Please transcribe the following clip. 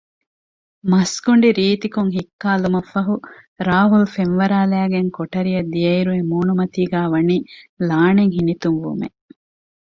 މަސްގޮނޑި ރީތިކޮށް ހިއްކާލުމަށްފަހު ރާހުލް ފެންވަރާލައިގެން ކޮޓަރިއަށް ދިޔައިރު އެ މޫނުމަތީގައި ވަނީ ލާނެތް ހިނިތުންވުމެއް